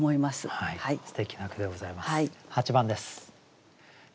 ８番です。